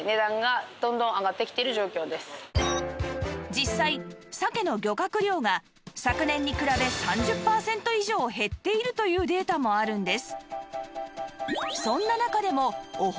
実際鮭の漁獲量が昨年に比べ３０パーセント以上減っているというデータもあるんです